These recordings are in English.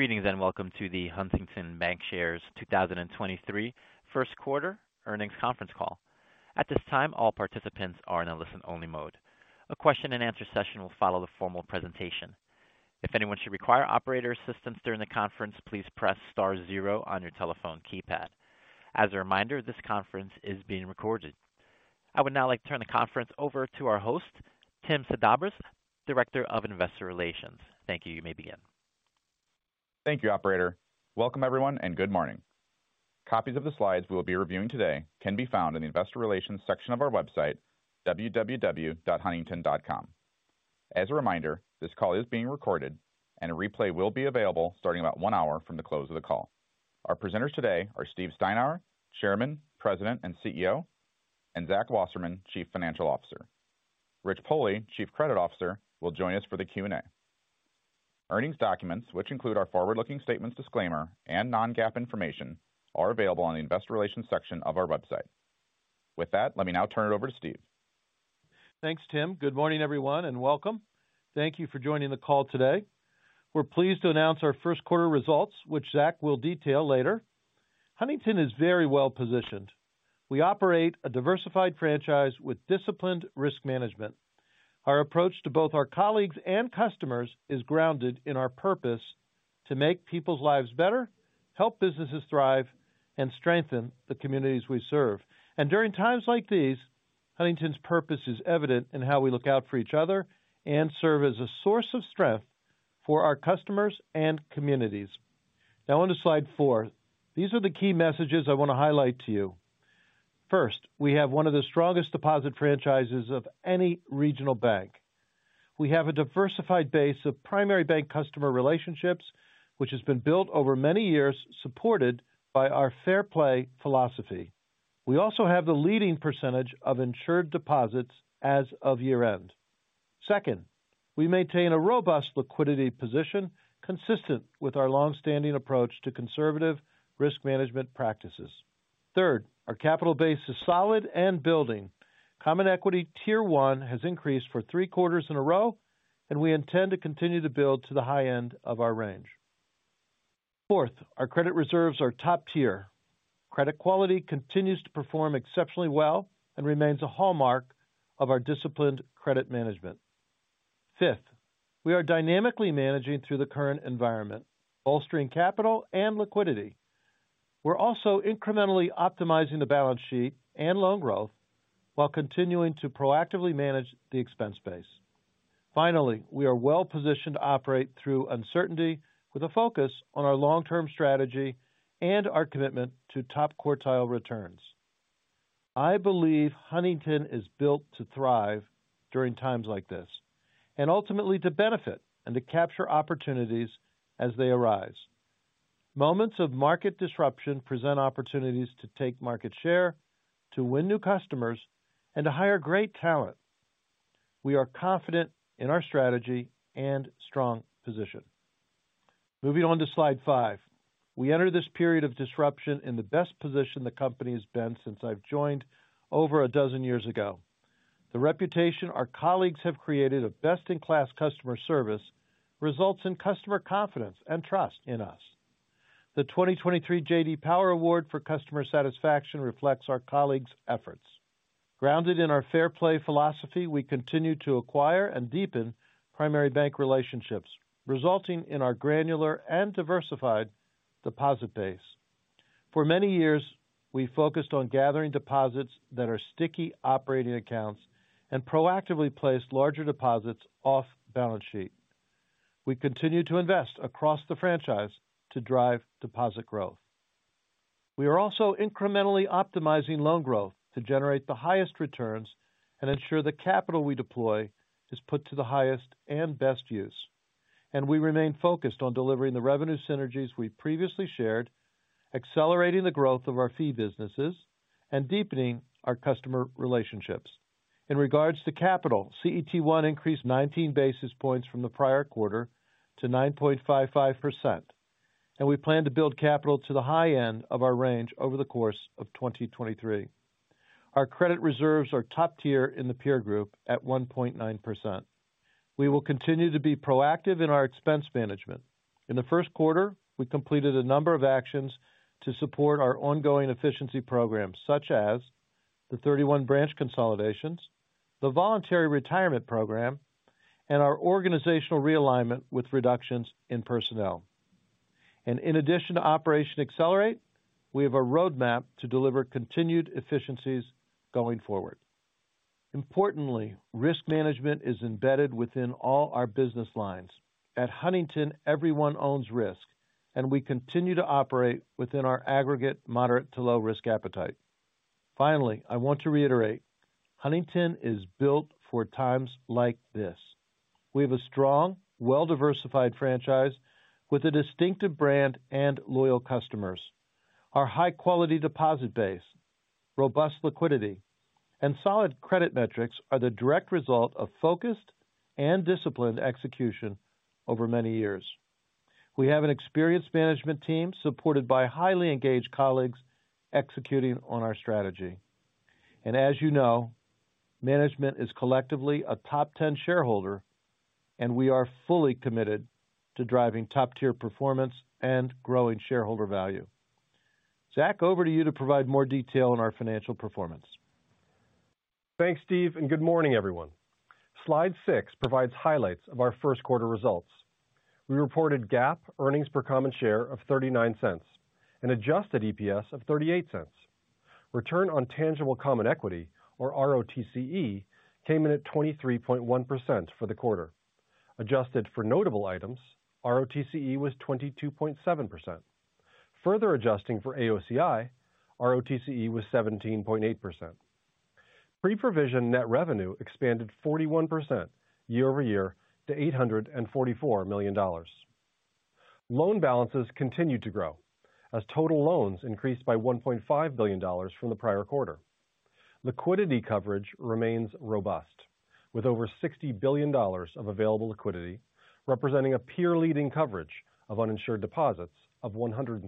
Greetings, welcome to the Huntington Bancshares 2023 first quarter earnings conference call. At this time, all participants are in a listen-only mode. A question and answer session will follow the formal presentation. If anyone should require operator assistance during the conference, please press star zero on your telephone keypad. As a reminder, this conference is being recorded. I would now like to turn the conference over to our host, Tim Sedabres, Director of Investor Relations. Thank you. You may begin. Thank you, operator. Welcome, everyone, and good morning. Copies of the slides we will be reviewing today can be found in the investor relations section of our website, www.huntington.com. As a reminder, this call is being recorded and a replay will be available starting about one hour from the close of the call. Our presenters today are Steve Steinour, Chairman, President and CEO, and Zach Wasserman, Chief Financial Officer. Rich Pohle, Chief Credit Officer, will join us for the Q&A. Earnings documents, which include our forward-looking statements disclaimer and non-GAAP information, are available on the investor relations section of our website. With that, let me now turn it over to Steve. Thanks, Tim. Good morning, everyone, welcome. Thank you for joining the call today. We're pleased to announce our first quarter results, which Zach will detail later. Huntington is very well positioned. We operate a diversified franchise with disciplined risk management. Our approach to both our colleagues and customers is grounded in our purpose to make people's lives better, help businesses thrive, and strengthen the communities we serve. During times like these, Huntington's purpose is evident in how we look out for each other and serve as a source of strength for our customers and communities. Now on to slide four. These are the key messages I want to highlight to you. First, we have one of the strongest deposit franchises of any regional bank. We have a diversified base of primary bank customer relationships, which has been built over many years, supported by our Fair Play philosophy. We also have the leading percentage of insured deposits as of year-end. Second, we maintain a robust liquidity position consistent with our long standing approach to conservative risk management practices. Third, our capital base is solid and building. Common Equity Tier 1 has increased for three quarters in a row, and we intend to continue to build to the high end of our range. Fourth, our credit reserves are top tier. Credit quality continues to perform exceptionally well and remains a hallmark of our disciplined credit management. Fifth, we are dynamically managing through the current environment, bolstering capital and liquidity. We're also incrementally optimizing the balance sheet and loan growth while continuing to proactively manage the expense base. Finally, we are well positioned to operate through uncertainty with a focus on our long term strategy and our commitment to top quartile returns. I believe Huntington is built to thrive during times like this and ultimately to benefit and to capture opportunities as they arise. Moments of market disruption present opportunities to take market share, to win new customers, and to hire great talent. We are confident in our strategy and strong position. Moving on to slide five. We enter this period of disruption in the best position the company has been since I've joined over a dozen years ago. The reputation our colleagues have created of best in class customer service results in customer confidence and trust in us. The 2023 J.D. Power Award for customer satisfaction reflects our colleagues' efforts. Grounded in our Fair Play philosophy, we continue to acquire and deepen primary bank relationships, resulting in our granular and diversified deposit base. For many years, we focused on gathering deposits that are sticky operating accounts and proactively placed larger deposits off balance sheet. We continue to invest across the franchise to drive deposit growth. We are also incrementally optimizing loan growth to generate the highest returns and ensure the capital we deploy is put to the highest and best use. We remain focused on delivering the revenue synergies we previously shared, accelerating the growth of our fee businesses and deepening our customer relationships. In regards to capital, CET1 increased 19 basis points from the prior quarter to 9.55%, and we plan to build capital to the high end of our range over the course of 2023. Our credit reserves are top tier in the peer group at 1.9%. We will continue to be proactive in our expense management. In the first quarter, we completed a number of actions to support our ongoing efficiency programs, such as the 31 branch consolidations, the voluntary retirement program, and our organizational realignment with reductions in personnel. In addition to Operation Accelerate, we have a roadmap to deliver continued efficiencies going forward. Importantly, risk management is embedded within all our business lines. At Huntington, everyone owns risk, and we continue to operate within our aggregate moderate to low risk appetite. Finally, I want to reiterate, Huntington is built for times like this. We have a strong, well-diversified franchise with a distinctive brand and loyal customers. Our high quality deposit base, robust liquidity, and solid credit metrics are the direct result of focused and disciplined execution over many years. We have an experienced management team supported by highly engaged colleagues executing on our strategy. As you know, management is collectively a top 10 shareholder, and we are fully committed to driving top-tier performance and growing shareholder value. Zach, over to you to provide more detail on our financial performance. Thanks, Steve, and good morning, everyone. Slide six provides highlights of our first quarter results. We reported GAAP earnings per common share of $0.39 and adjusted EPS of $0.38. Return on tangible common equity or ROTCE came in at 23.1% for the quarter. Adjusted for notable items, ROTCE was 22.7%. Further adjusting for AOCI, ROTCE was 17.8%. Pre-Provision Net Revenue expanded 41% year-over-year to $844 million. Loan balances continued to grow as total loans increased by $1.5 billion from the prior quarter. Liquidity coverage remains robust, with over $60 billion of available liquidity, representing a peer leading coverage of uninsured deposits of 136%.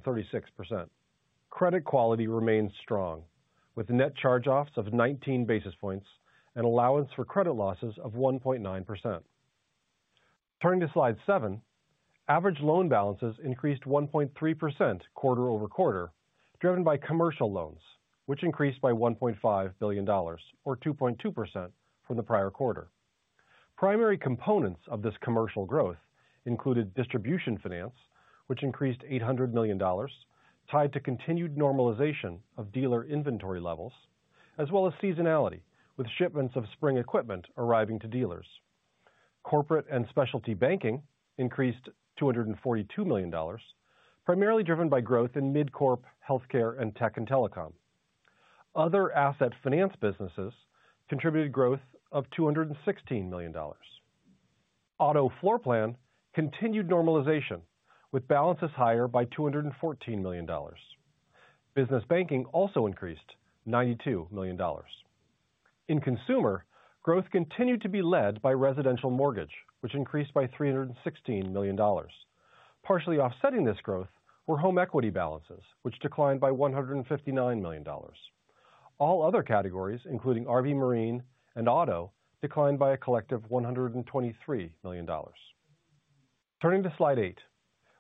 Credit quality remains strong, with net charge-offs of 19 basis points and allowance for credit losses of 1.9%. Turning to slide seven. Average loan balances increased 1.3% quarter-over-quarter, driven by commercial loans, which increased by $1.5 billion or 2.2% from the prior quarter. Primary components of this commercial growth included Distribution Finance, which increased $800 million, tied to continued normalization of dealer inventory levels, as well as seasonality, with shipments of spring equipment arriving to dealers. Corporate and specialty banking increased $242 million, primarily driven by growth in mid-corp healthcare and tech and telecom. Other asset finance businesses contributed growth of $216 million. auto floorplan continued normalization with balances higher by $214 million. Business banking also increased $92 million. In consumer, growth continued to be led by residential mortgage, which increased by $316 million. Partially offsetting this growth were home equity balances, which declined by $159 million. All other categories, including RV/marine and auto, declined by a collective $123 million. Turning to slide 8.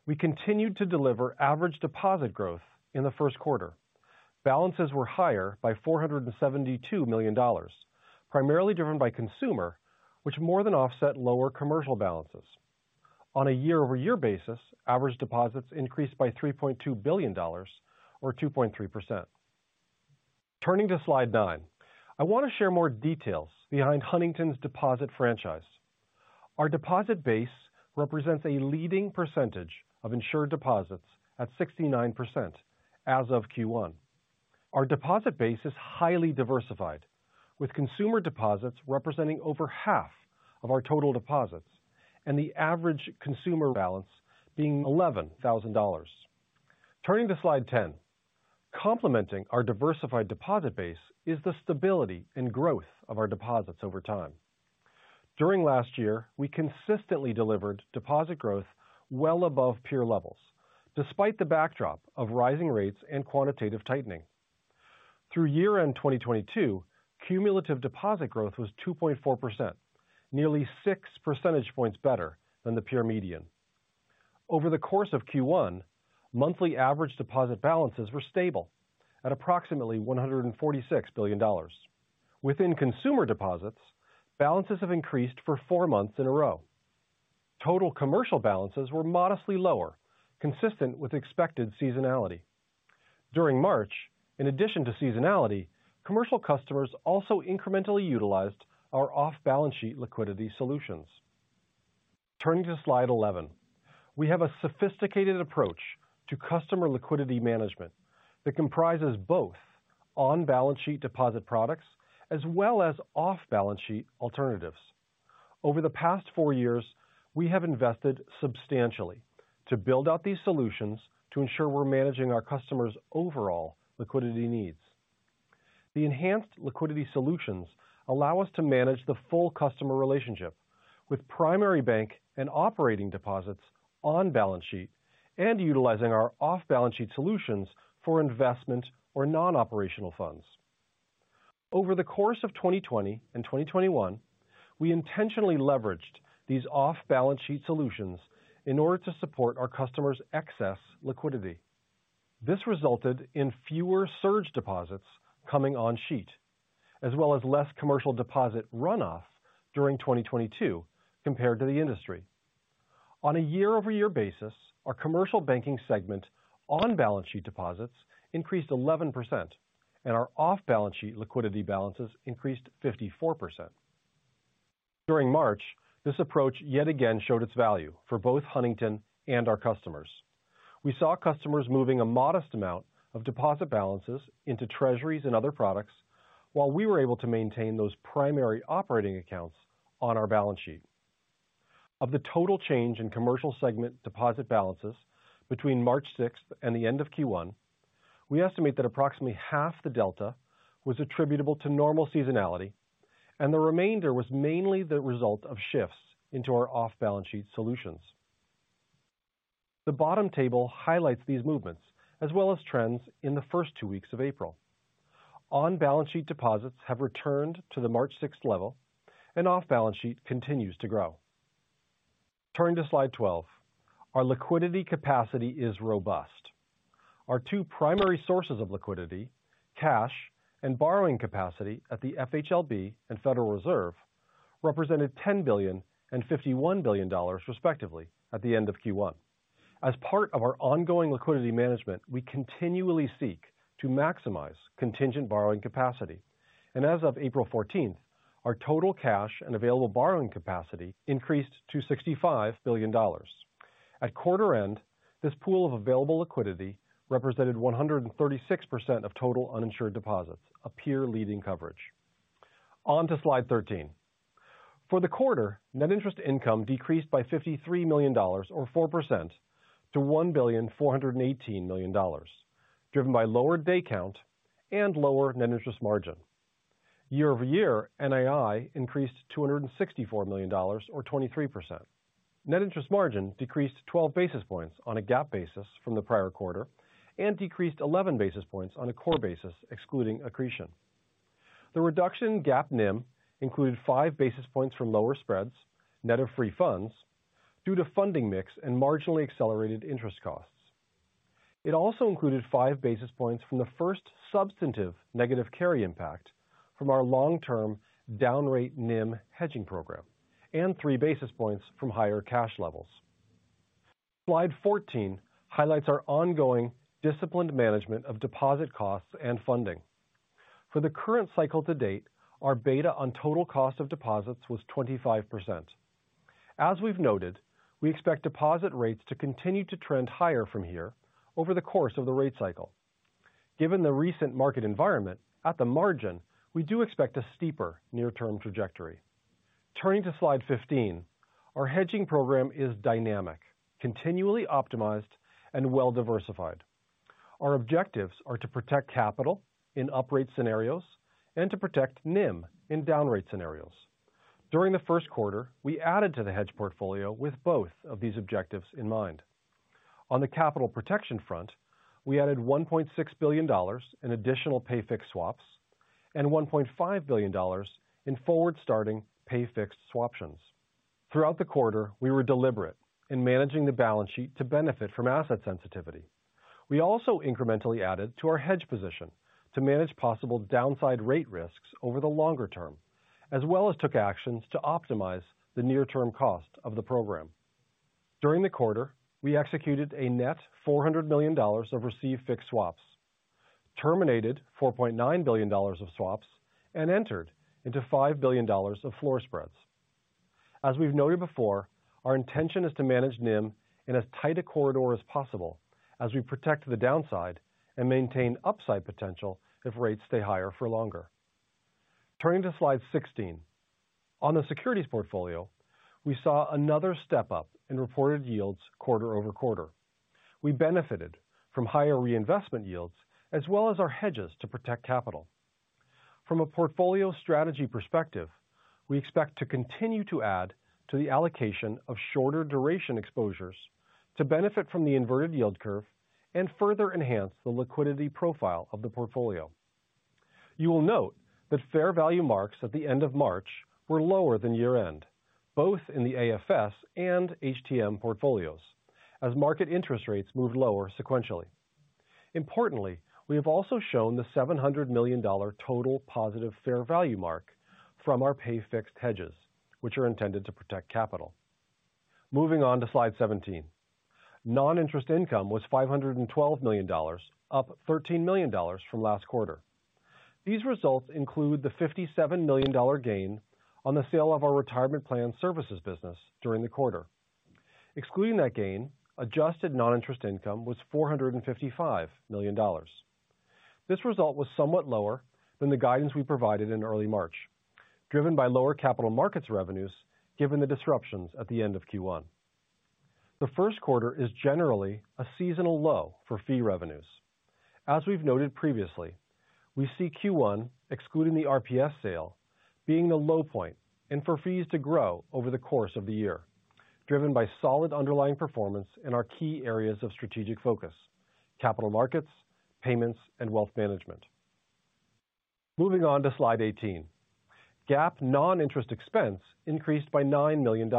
We continued to deliver average deposit growth in the first quarter. Balances were higher by $472 million, primarily driven by consumer, which more than offset lower commercial balances. On a year-over-year basis, average deposits increased by $3.2 billion or 2.3%. Turning to slide 9. I want to share more details behind Huntington's deposit franchise. Our deposit base represents a leading percentage of insured deposits at 69% as of Q1. Our deposit base is highly diversified, with consumer deposits representing over half of our total deposits and the average consumer balance being $11,000. Turning to slide 10. Complementing our diversified deposit base is the stability and growth of our deposits over time. During last year, we consistently delivered deposit growth well above peer levels, despite the backdrop of rising rates and quantitative tightening. Through year-end 2022, cumulative deposit growth was 2.4%, nearly six percentage points better than the peer median. Over the course of Q1, monthly average deposit balances were stable at approximately $146 billion. Within consumer deposits, balances have increased for four months in a row. Total commercial balances were modestly lower, consistent with expected seasonality. During March, in addition to seasonality, commercial customers also incrementally utilized our off-balance sheet liquidity solutions. Turning to slide 11. We have a sophisticated approach to customer liquidity management that comprises both on-balance sheet deposit products as well as off-balance sheet alternatives. Over the past four years, we have invested substantially to build out these solutions to ensure we're managing our customers' overall liquidity needs. The enhanced liquidity solutions allow us to manage the full customer relationship with primary bank and operating deposits on balance sheet and utilizing our off-balance sheet solutions for investment or non-operational funds. Over the course of 2020 and 2021, we intentionally leveraged these off-balance sheet solutions in order to support our customers' excess liquidity. This resulted in fewer surge deposits coming on sheet, as well as less commercial deposit runoff during 2022 compared to the industry. On a year-over-year basis, our commercial banking segment on-balance sheet deposits increased 11% and our off-balance sheet liquidity balances increased 54%. During March, this approach yet again showed its value for both Huntington and our customers. We saw customers moving a modest amount of deposit balances into treasuries and other products while we were able to maintain those primary operating accounts on our balance sheet. Of the total change in commercial segment deposit balances between March 6 and the end of Q1, we estimate that approximately half the delta was attributable to normal seasonality, and the remainder was mainly the result of shifts into our off-balance sheet solutions. The bottom table highlights these movements as well as trends in the first two weeks of April. On-balance sheet deposits have returned to the March 6 level, and off-balance sheet continues to grow. Turning to slide 12. Our liquidity capacity is robust. Our two primary sources of liquidity, cash and borrowing capacity at the FHLB and Federal Reserve represented $10 billion and $51 billion respectively at the end of Q1. As part of our ongoing liquidity management, we continually seek to maximize contingent borrowing capacity. As of April 14th, our total cash and available borrowing capacity increased to $65 billion. At quarter end, this pool of available liquidity represented 136% of total uninsured deposits, a peer leading coverage. On to slide 13. For the quarter, net interest income decreased by $53 million or 4% to $1.418 billion, driven by lower day count and lower net interest margin. Year-over-year, NII increased $264 million or 23%. Net interest margin decreased 12 basis points on a GAAP basis from the prior quarter and decreased 11 basis points on a core basis excluding accretion. The reduction GAAP NIM included 5 basis points from lower spreads, net of free funds due to funding mix and marginally accelerated interest costs. It also included five basis points from the first substantive negative carry impact from our long-term down rate NIM hedging program and three basis points from higher cash levels. Slide 14 highlights our ongoing disciplined management of deposit costs and funding. For the current cycle to date, our beta on total cost of deposits was 25%. As we've noted, we expect deposit rates to continue to trend higher from here over the course of the rate cycle. Given the recent market environment, at the margin, we do expect a steeper near-term trajectory. Turning to Slide 15. Our hedging program is dynamic, continually optimized, and well-diversified. Our objectives are to protect capital in uprate scenarios and to protect NIM in down rate scenarios. During the first quarter, we added to the hedge portfolio with both of these objectives in mind. On the capital protection front, we added $1.6 billion in additional pay-fixed swaps and $1.5 billion in forward-starting pay-fixed swaptions. Throughout the quarter, we were deliberate in managing the balance sheet to benefit from asset sensitivity. We also incrementally added to our hedge position to manage possible downside rate risks over the longer term, as well as took actions to optimize the near-term cost of the program. During the quarter, we executed a net $400 million of receive-fixed swaps, terminated $4.9 billion of swaps, and entered into $5 billion of floor spreads. We've noted before, our intention is to manage NIM in as tight a corridor as possible as we protect the downside and maintain upside potential if rates stay higher for longer. Turning to slide 16. On the securities portfolio, we saw another step-up in reported yields quarter-over-quarter. We benefited from higher reinvestment yields as well as our hedges to protect capital. From a portfolio strategy perspective, we expect to continue to add to the allocation of shorter duration exposures to benefit from the inverted yield curve and further enhance the liquidity profile of the portfolio. You will note that fair value marks at the end of March were lower than year-end, both in the AFS and HTM portfolios as market interest rates moved lower sequentially. Importantly, we have also shown the $700 million total positive fair value mark from our pay fixed hedges, which are intended to protect capital. Moving on to slide 17. Non-interest income was $512 million, up $13 million from last quarter. These results include the $57 million gain on the sale of our retirement plan services business during the quarter. Excluding that gain, adjusted non-interest income was $455 million. This result was somewhat lower than the guidance we provided in early March, driven by lower capital markets revenues, given the disruptions at the end of Q1. The first quarter is generally a seasonal low for fee revenues. As we've noted previously, we see Q1, excluding the RPS sale, being the low point, and for fees to grow over the course of the year, driven by solid underlying performance in our key areas of strategic focus: capital markets, payments, and wealth management. Moving on to slide 18. GAAP non-interest expense increased by $9 million.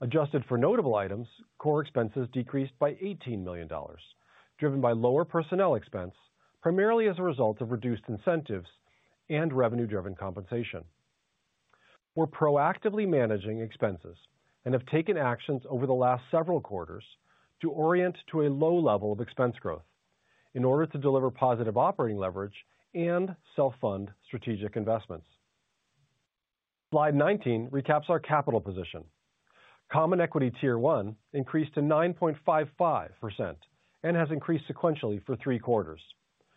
Adjusted for notable items, core expenses decreased by $18 million, driven by lower personnel expense, primarily as a result of reduced incentives and revenue-driven compensation. We're proactively managing expenses and have taken actions over the last several quarters to orient to a low level of expense growth in order to deliver positive operating leverage and self-fund strategic investments. Slide 19 recaps our capital position. Common Equity Tier 1 increased to 9.55% and has increased sequentially for three quarters.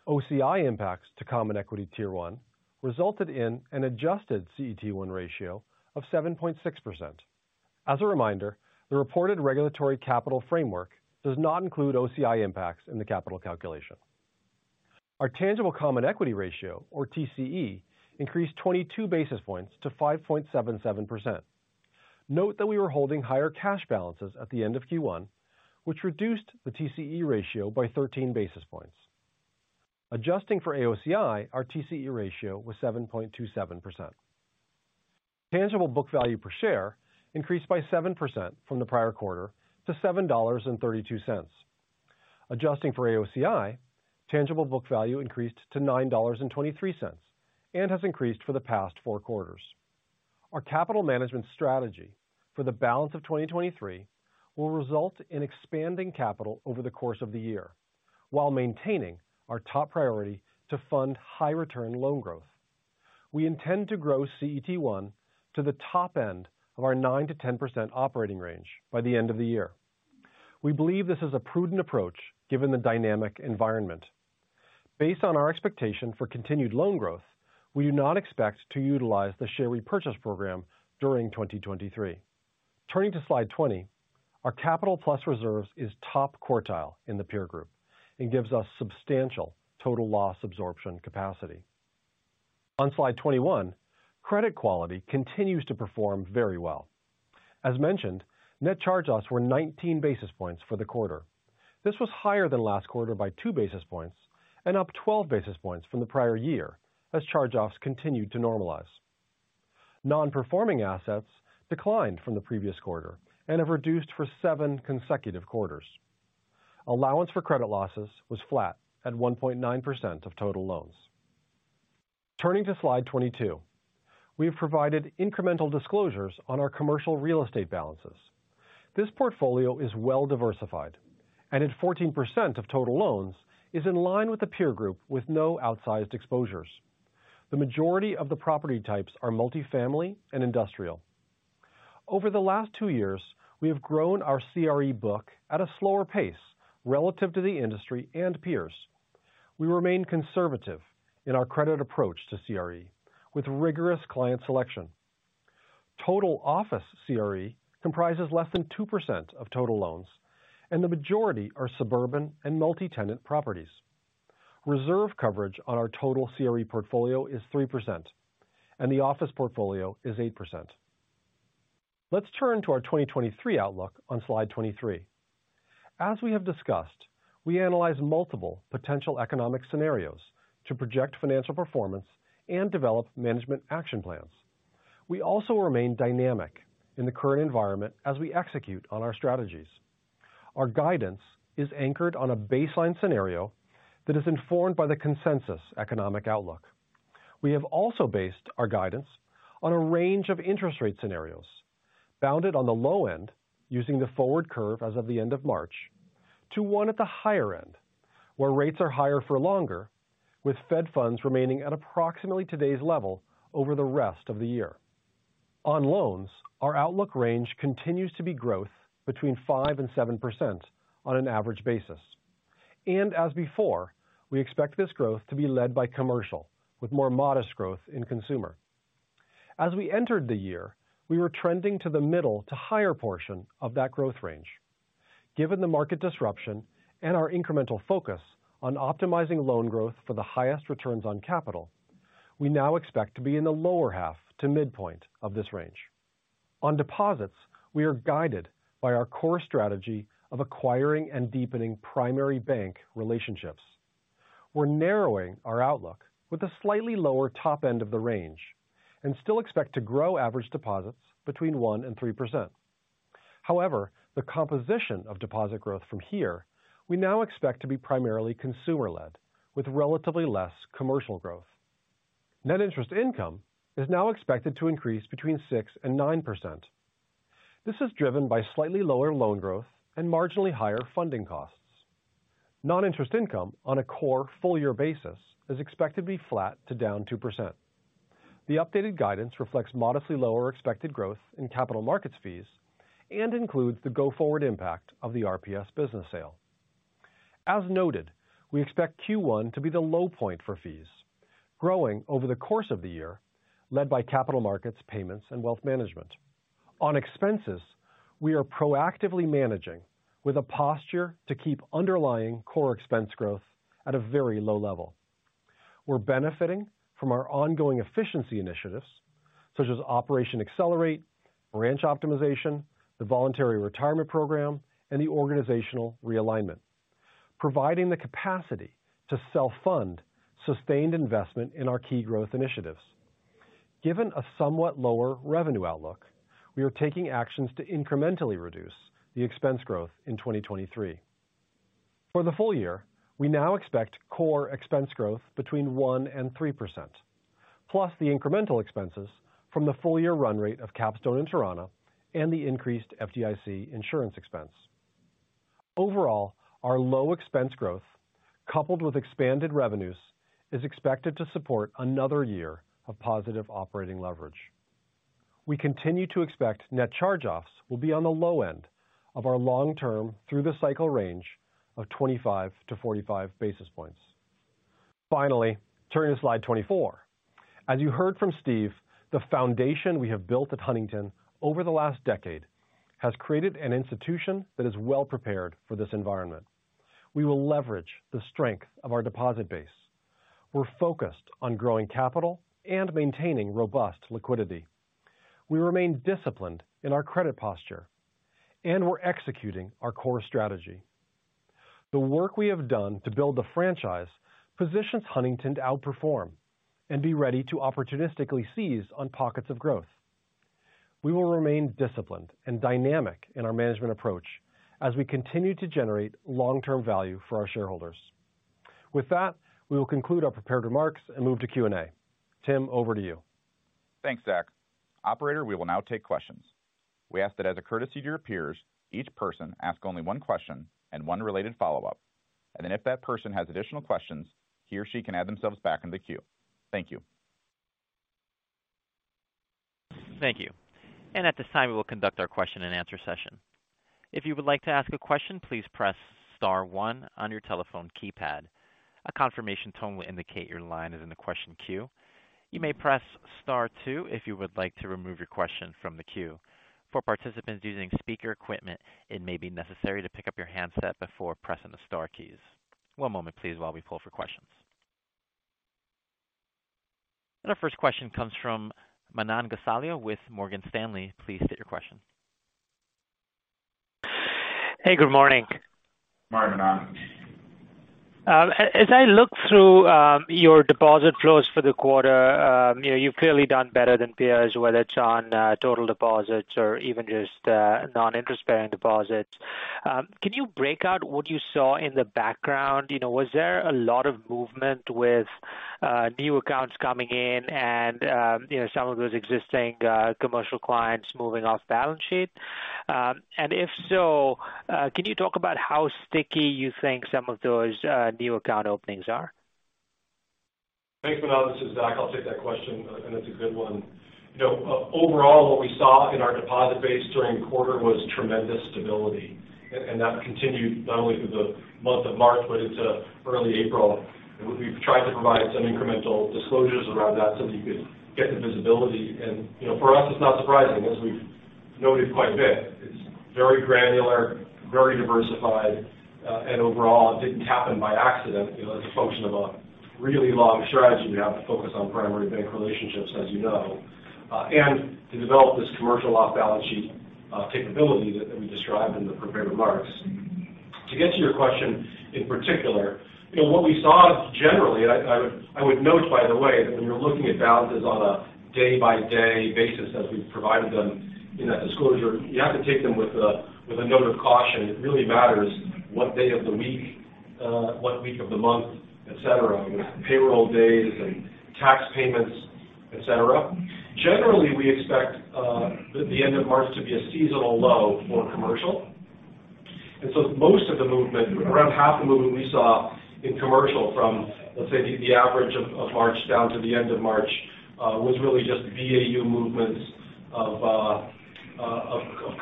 OCI impacts to Common Equity Tier 1 resulted in an adjusted CET1 ratio of 7.6%. As a reminder, the reported regulatory capital framework does not include OCI impacts in the capital calculation. Our tangible common equity ratio or TCE increased 22 basis points to 5.77%. Note that we were holding higher cash balances at the end of Q1, which reduced the TCE ratio by 13 basis points. Adjusting for AOCI, our TCE ratio was 7.27%. Tangible book value per share increased by 7% from the prior quarter to $7.32. Adjusting for AOCI, tangible book value increased to $9.23 and has increased for the past four quarters. Our capital management strategy for the balance of 2023 will result in expanding capital over the course of the year while maintaining our top priority to fund high return loan growth. We intend to grow CET1 to the top end of our 9%-10% operating range by the end of the year. We believe this is a prudent approach given the dynamic environment. Based on our expectation for continued loan growth, we do not expect to utilize the share repurchase program during 2023. Turning to slide 20, our capital plus reserves is top quartile in the peer group and gives us substantial total loss absorption capacity. On slide 21, credit quality continues to perform very well. As mentioned, net charge-offs were 19 basis points for the quarter. This was higher than last quarter by two basis points and up 12 basis points from the prior year as charge-offs continued to normalize. Non-performing assets declined from the previous quarter and have reduced for seven consecutive quarters. Allowance for credit losses was flat at 1.9% of total loans. Turning to slide 22, we have provided incremental disclosures on our commercial real estate balances. This portfolio is well diversified and at 14% of total loans is in line with the peer group with no outsized exposures. The majority of the property types are multifamily and industrial. Over the last two years, we have grown our CRE book at a slower pace relative to the industry and peers. We remain conservative in our credit approach to CRE with rigorous client selection. Total office CRE comprises less than 2% of total loans, and the majority are suburban and multi-tenant properties. Reserve coverage on our total CRE portfolio is 3%, and the office portfolio is 8%. Let's turn to our 2023 outlook on slide 23. As we have discussed, we analyze multiple potential economic scenarios to project financial performance and develop management action plans. We also remain dynamic in the current environment as we execute on our strategies. Our guidance is anchored on a baseline scenario that is informed by the consensus economic outlook. We have also based our guidance on a range of interest rate scenarios bounded on the low end using the forward curve as of the end of March to one at the higher end, where rates are higher for longer, with Fed funds remaining at approximately today's level over the rest of the year. On loans, our outlook range continues to be growth between 5% and 7% on an average basis. As before, we expect this growth to be led by commercial with more modest growth in consumer. As we entered the year, we were trending to the middle to higher portion of that growth range. Given the market disruption and our incremental focus on optimizing loan growth for the highest returns on capital, we now expect to be in the lower half to midpoint of this range. On deposits, we are guided by our core strategy of acquiring and deepening primary bank relationships. We're narrowing our outlook with a slightly lower top end of the range and still expect to grow average deposits between 1% and 3%. The composition of deposit growth from here we now expect to be primarily consumer-led with relatively less commercial growth. Net interest income is now expected to increase between 6% and 9%. This is driven by slightly lower loan growth and marginally higher funding costs. Non-interest income on a core full year basis is expected to be flat to down 2%. The updated guidance reflects modestly lower expected growth in capital markets fees and includes the go-forward impact of the RPS business sale. As noted, we expect Q1 to be the low point for fees growing over the course of the year led by capital markets, payments, and wealth management. On expenses, we are proactively managing with a posture to keep underlying core expense growth at a very low level. We're benefiting from our ongoing efficiency initiatives such as Operation Accelerate, branch optimization, the voluntary retirement program, and the organizational realignment, providing the capacity to self-fund sustained investment in our key growth initiatives. Given a somewhat lower revenue outlook, we are taking actions to incrementally reduce the expense growth in 2023. For the full year, we now expect core expense growth between 1%-3%, plus the incremental expenses from the full year run rate of Capstone and Torana and the increased FDIC insurance expense. Overall, our low expense growth, coupled with expanded revenues, is expected to support another year of positive operating leverage. We continue to expect net charge-offs will be on the low end of our long term through the cycle range of 25-45 basis points. Finally, turning to slide 24. As you heard from Steve, the foundation we have built at Huntington over the last decade has created an institution that is well prepared for this environment. We will leverage the strength of our deposit base. We're focused on growing capital and maintaining robust liquidity. We remain disciplined in our credit posture, and we're executing our core strategy. The work we have done to build the franchise positions Huntington to outperform and be ready to opportunistically seize on pockets of growth. We will remain disciplined and dynamic in our management approach as we continue to generate long-term value for our shareholders. With that, we will conclude our prepared remarks and move to Q&A. Tim, over to you. Thanks, Zach. Operator, we will now take questions. We ask that as a courtesy to your peers, each person ask only one question and one related follow-up, and then if that person has additional questions, he or she can add themselves back in the queue. Thank you. Thank you. At this time, we will conduct our question and answer session. If you would like to ask a question, please press star one on your telephone keypad. A confirmation tone will indicate your line is in the question queue. You may press star two if you would like to remove your question from the queue. For participants using speaker equipment, it may be necessary to pick up your handset before pressing the star keys. One moment, please, while we pull for questions. Our first question comes from Manan Gosalia with Morgan Stanley. Please state your question. Hey, good morning. Morning, Manan. As I look through, your deposit flows for the quarter, you know, you've clearly done better than peers, whether it's on total deposits or even just non-interest bearing deposits. Can you break out what you saw in the background? You know, was there a lot of movement with new accounts coming in and, you know, some of those existing commercial clients moving off balance sheet? If so, can you talk about how sticky you think some of those new account openings are? Thanks, Manan. This is Zach. I'll take that question, and it's a good one. You know, overall, what we saw in our deposit base during quarter was tremendous stability. That continued not only through the month of March but into early April. We've tried to provide some incremental disclosures around that so that you could get the visibility. You know, for us, it's not surprising, as we've noted quite a bit. It's very granular, very diversified, and overall it didn't happen by accident. You know, it's a function of a really long strategy we have to focus on primary bank relationships, as you know, and to develop this commercial off-balance sheet capability that we described in the prepared remarks. To get to your question in particular, you know, what we saw generally, I would note, by the way, that when you're looking at balances on a day by day basis as we've provided them in that disclosure, you have to take them with a note of caution. It really matters what day of the week, what week of the month, et cetera, payroll days and tax payments, et cetera. Generally, we expect the end of March to be a seasonal low for commercial. So most of the movement, around half the movement we saw in commercial from, let's say, the average of March down to the end of March, was really just BAU movements of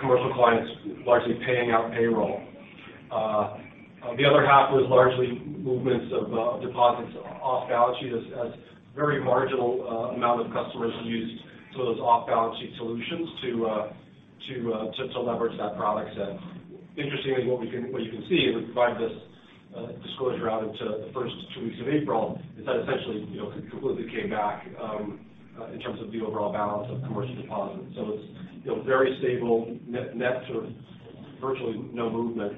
commercial clients largely paying out payroll. The other half was largely movements of deposits off balance sheet as very marginal amount of customers used some of those off balance sheet solutions to leverage that product set. Interestingly, what you can see as we provide this disclosure out into the first two weeks of April is that essentially, you know, completely came back in terms of the overall balance of commercial deposits. It's, you know, very stable net sort of virtually no movement.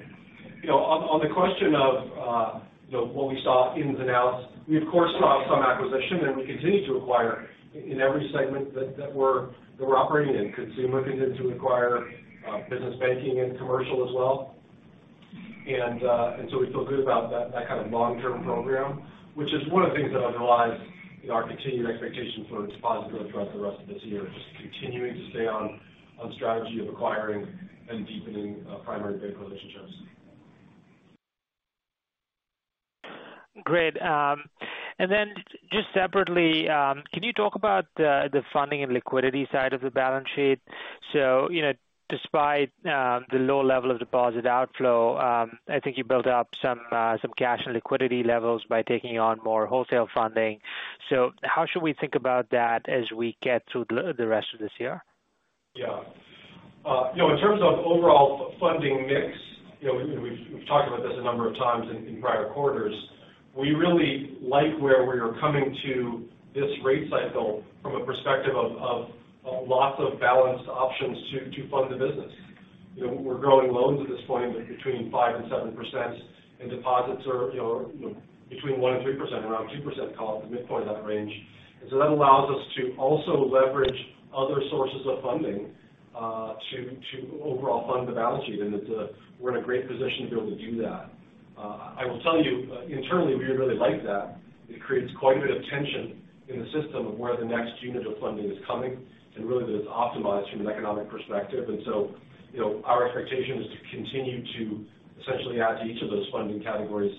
You know, on the question of, you know, what we saw ins and outs, we of course saw some acquisition and we continue to acquire in every segment that we're operating in. Consumer continued to acquire business banking and commercial as well. We feel good about that kind of long-term program, which is one of the things that underlies our continued expectation for deposit growth throughout the rest of this year. Just continuing to stay on strategy of acquiring and deepening primary bank relationships. Great. Just separately, can you talk about the funding and liquidity side of the balance sheet? You know, despite the low level of deposit outflow, I think you built up some cash and liquidity levels by taking on more wholesale funding. How should we think about that as we get through the rest of this year? Yeah. you know, in terms of overall funding mix, you know, we've talked about this a number of times in prior quarters. We really like where we are coming to this rate cycle from a perspective of lots of balanced options to fund the business. You know, we're growing loans at this point between 5% and 7%, and deposits are, you know, between 1% and 3%, around 2%, call it the midpoint of that range. That allows us to also leverage other sources of funding to overall fund the balance sheet. We're in a great position to be able to do that. I will tell you internally, we really like that. It creates quite a bit of tension in the system of where the next unit of funding is coming and really that it's optimized from an economic perspective. You know, our expectation is to continue to essentially add to each of those funding categories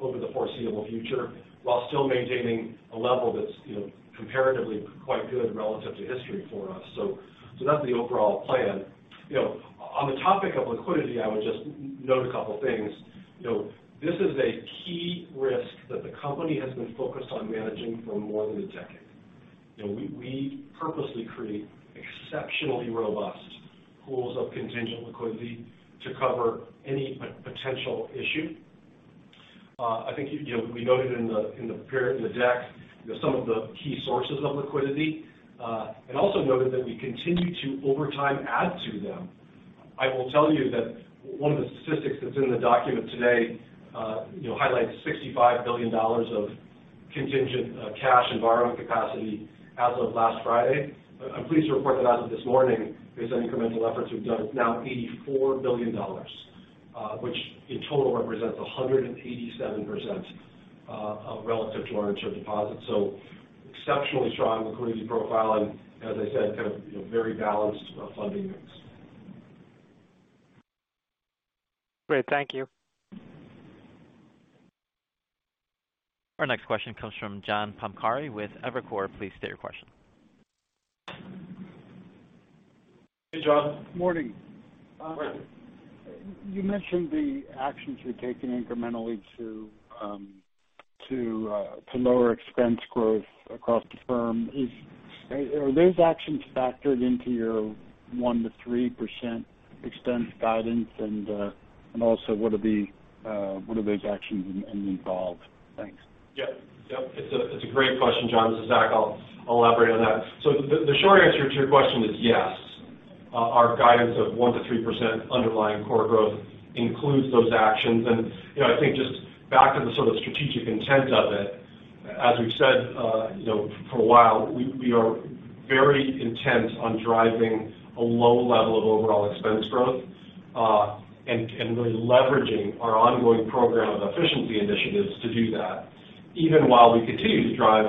over the foreseeable future while still maintaining a level that's, you know, comparatively quite good relative to history for us. That's the overall plan. On the topic of liquidity, I would just note a couple things. This is a key risk that the company has been focused on managing for more than a decade. We purposely create exceptionally robust pools of contingent liquidity to cover any potential issue. I think, you know, we noted in the deck some of the key sources of liquidity, also noted that we continue to over time add to them. I will tell you that one of the statistics that's in the document today, you know, highlights $65 billion of contingent cash and borrowing capacity as of last Friday. I'm pleased to report that as of this morning, based on incremental efforts we've done, it's now $84 billion, which in total represents 187% of relative to our deposits. Exceptionally strong liquidity profile and as I said, kind of, you know, very balanced funding mix. Great, thank you. Our next question comes from John Pancari with Evercore. Please state your question. Hey, John. Morning. Morning. You mentioned the actions you're taking incrementally to lower expense growth across the firm. Are those actions factored into your 1%-3% expense guidance? Also, what are those actions involved? Thanks. Yeah. Yep, it's a great question, John. This is Zach. I'll elaborate on that. The short answer to your question is yes. Our guidance of 1%-3% underlying core growth includes those actions. I think just back to the sort of strategic intent of it, as we've said, you know, for a while, we are very intent on driving a low level of overall expense growth, and really leveraging our ongoing program of efficiency initiatives to do that, even while we continue to drive,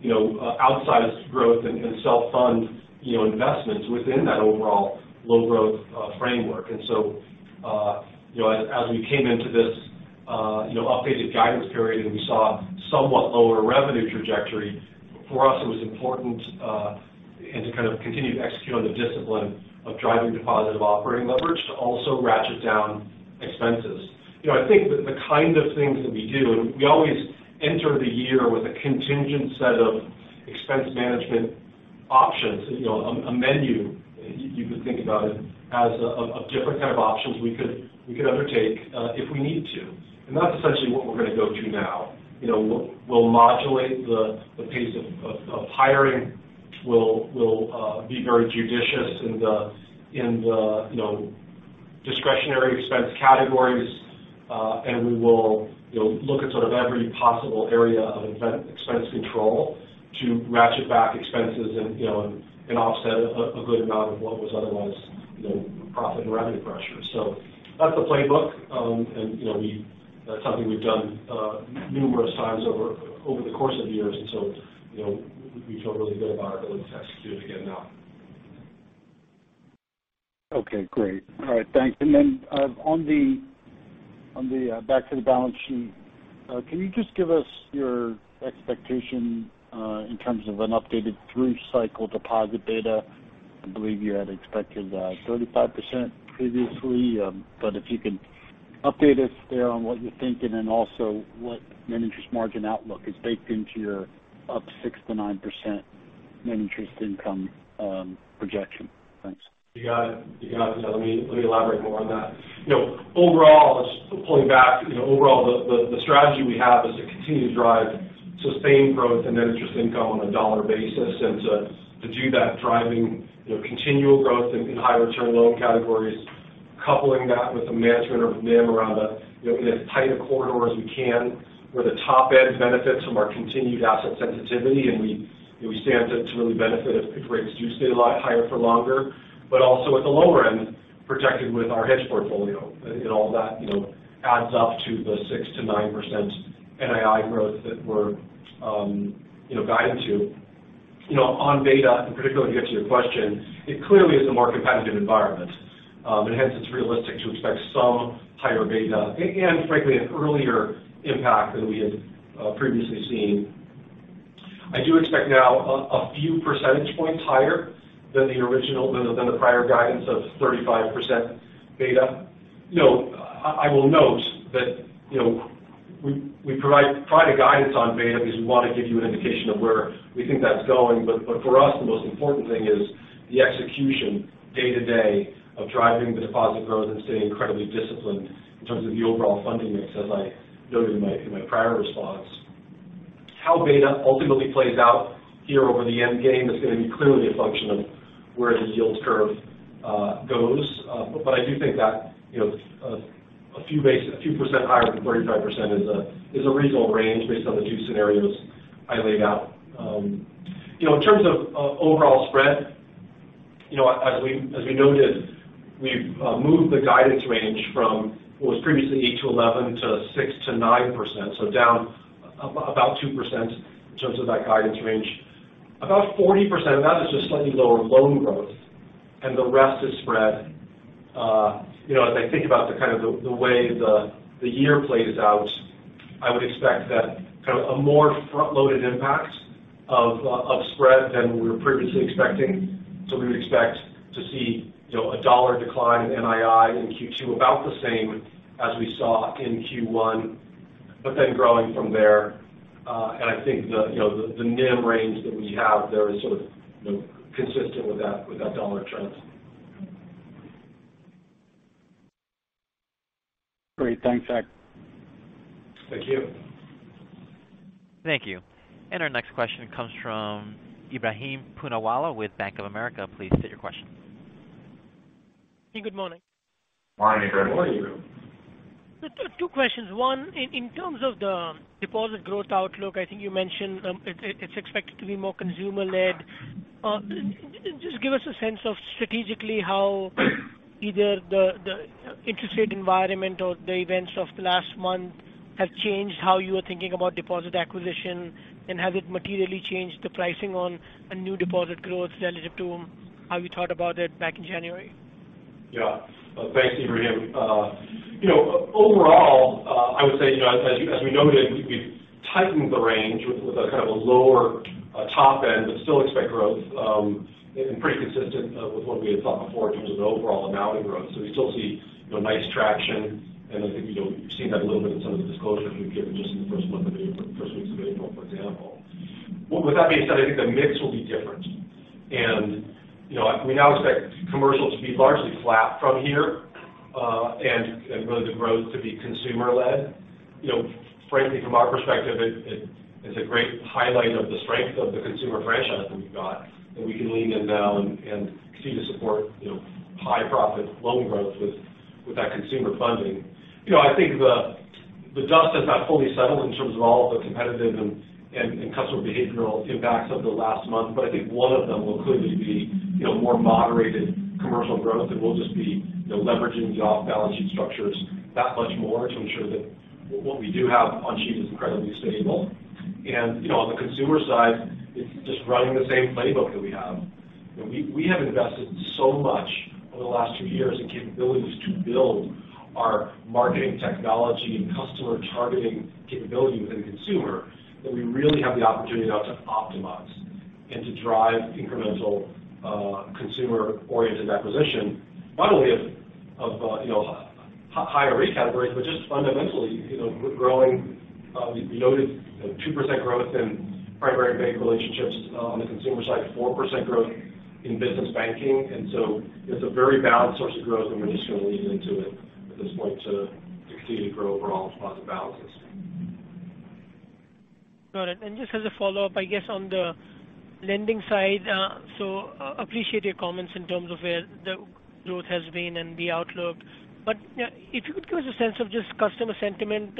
you know, outsized growth and self-fund, you know, investments within that overall low growth framework. You know, as we came into this, you know, updated guidance period, and we saw somewhat lower revenue trajectory, for us it was important, and to kind of continue to execute on the discipline of driving positive operating leverage to also ratchet down expenses. You know, I think the kind of things that we do, and we always enter the year with a contingent set of expense management options. You know, a menu you could think about it as, of different kind of options we could, we could undertake, if we need to. That's essentially what we're going to go to now. You know, we'll modulate the pace of, of hiring. We'll, we'll be very judicious in the, in the, you know, discretionary expense categories. We will, you know, look at sort of every possible area of expense control to ratchet back expenses and, you know, and offset a good amount of what was otherwise, you know, profit and revenue pressure. That's the playbook. You know, that's something we've done, numerous times over the course of years. You know, we feel really good about our ability to execute it again now. Okay, great. All right, thanks. On the back to the balance sheet, can you just give us your expectation in terms of an updated through cycle deposit data? I believe you had expected 35% previously. If you could update us there on what you're thinking and also what Net Interest Margin outlook is baked into your up 6%-9% Net Interest Income projection. Thanks. You got it. You got it. Let me elaborate more on that. You know, overall, just pulling back, you know, overall the strategy we have is to continue to drive sustained growth in net interest income on a dollar basis. To do that, driving, you know, continual growth in higher return loan categories, coupling that with the management of NIM around a, you know, in as tight a corridor as we can, where the top end benefits from our continued asset sensitivity. We stand to really benefit if rates do stay a lot higher for longer. Also at the lower end, protected with our hedge portfolio. All that, you know, adds up to the 6%-9% NII growth that we're, you know, guided to. You know, on beta, and particularly to get to your question, it clearly is a more competitive environment. Hence it's realistic to expect some higher beta and frankly, an earlier impact than we had previously seen. I do expect now a few percentage points higher than the original than the prior guidance of 35% beta. You know, I will note that, you know, we provide private guidance on beta because we want to give you an indication of where we think that's going. For us, the most important thing is the execution day-to-day of driving the deposit growth and staying incredibly disciplined in terms of the overall funding mix, as I noted in my prior response. How beta ultimately plays out here over the end game is going to be clearly a function of where the yield curve goes. I do think that, you know, a few percent higher than 35% is a reasonable range based on the two scenarios I laid out. You know, in terms of overall spread, you know, as we noted, we've moved the guidance range from what was previously 8-11 to 6%-9%, so down about 2% in terms of that guidance range. About 40% of that is just slightly lower loan growth and the rest is spread. You know, as I think about the kind of the way the year plays out, I would expect that kind of a more front-loaded impact of spread than we were previously expecting. We would expect to see, you know, a $1 decline in NII in Q2, about the same as we saw in Q1, then growing from there. I think the, you know, the NIM range that we have there is sort of, you know, consistent with that, with that dollar trend. Great. Thanks, Zach. Thank you. Thank you. Our next question comes from Ebrahim Poonawala with Bank of America. Please state your question. Good morning. Morning, Ebrahim. Morning. Two questions. One, in terms of the deposit growth outlook, I think you mentioned, it's expected to be more consumer-led. Just give us a sense of strategically how either the interest rate environment or the events of the last month have changed how you are thinking about deposit acquisition. Has it materially changed the pricing on a new deposit growth relative to how you thought about it back in January? Yeah. Thanks, Ebrahim. You know, overall, I would say, you know, as we noted, we've tightened the range with a kind of a lower top end, but still expect growth, and pretty consistent with what we had thought before in terms of overall amount of growth. We still see a nice traction, and I think, you know, we've seen that a little bit in some of the disclosures we've given just in the first weeks of April, for example. Well, with that being said, I think the mix will be different. You know, we now expect commercial to be largely flat from here, and really the growth to be consumer-led. You know, frankly, from our perspective, it's a great highlight of the strength of the consumer franchise that we've got, that we can lean in now and continue to support, you know, high profit loan growth with that consumer funding. You know, I think the dust has not fully settled in terms of all of the competitive and customer behavioral impacts of the last month, but I think one of them will clearly be, you know, more moderated commercial growth. We'll just be, you know, leveraging the off-balance sheet structures that much more to ensure that what we do have on sheet is incredibly stable. On the consumer side, it's just running the same playbook that we have. We have invested so much over the last two years in capabilities to build our marketing technology and customer targeting capability within consumer that we really have the opportunity now to optimize and to drive incremental consumer-oriented acquisition, not only of, you know, higher rate categories, but just fundamentally, you know, we're growing. We noted 2% growth in primary bank relationships on the consumer side, 4% growth in business banking. It's a very balanced source of growth, and we're just going to lean into it at this point to continue to grow overall deposits balances. Got it. Just as a follow-up, I guess, on the lending side. Appreciate your comments in terms of where the growth has been and the outlook. If you could give us a sense of just customer sentiment,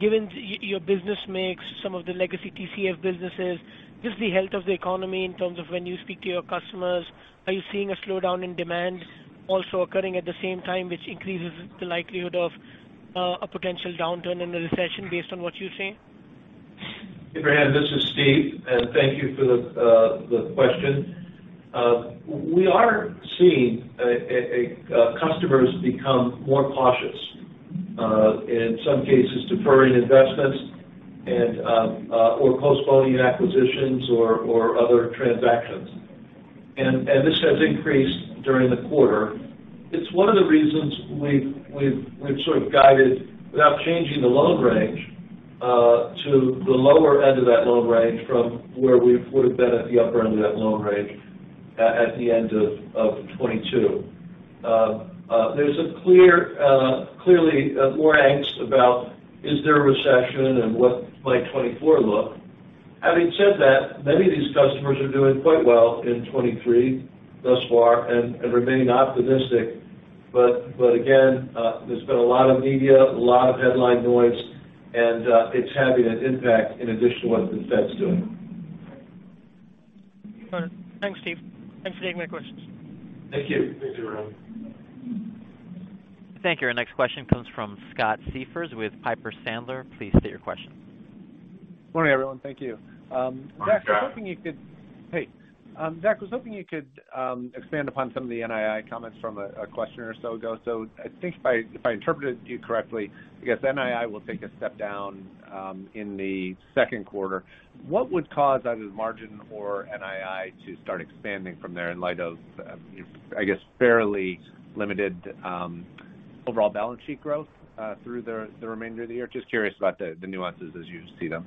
given your business mix, some of the legacy TCF businesses, just the health of the economy in terms of when you speak to your customers. Are you seeing a slowdown in demand also occurring at the same time, which increases the likelihood of a potential downturn in the recession based on what you're seeing? Ebrahim, this is Steve, and thank you for the question. We are seeing customers become more cautious in some cases deferring investments or postponing acquisitions or other transactions. This has increased during the quarter. It's one of the reasons we've sort of guided without changing the loan range to the lower end of that loan range from where we would have been at the upper end of that loan range at the end of 2022. There's a clear, clearly more angst about is there a recession and what might 2024 look? Having said that, many of these customers are doing quite well in 2023 thus far and remain optimistic. Again, there's been a lot of media, a lot of headline noise, and it's having an impact in addition to what the Fed's doing. All right. Thanks, Steve. Thanks for taking my questions. Thank you. Thanks, Ebrahim. Thank you. Our next question comes from Scott Siefers with Piper Sandler. Please state your question. Morning, everyone. Thank you. Morning, Scott. Zach, I was hoping you could expand upon some of the NII comments from a question or so ago. I think if I interpreted you correctly, I guess NII will take a step down in the second quarter. What would cause either margin or NII to start expanding from there in light of, I guess, fairly limited overall balance sheet growth through the remainder of the year? Just curious about the nuances as you see them.